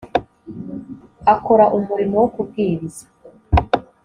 akora umurimo wo kubwiriza